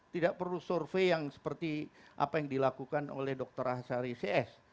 tidak perlu survei yang seperti apa yang dilakukan oleh dr ahsari cs